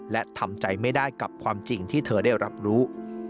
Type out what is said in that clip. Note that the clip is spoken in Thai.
และทำใจไม่ได้กับความจริงที่เธอได้รับรู้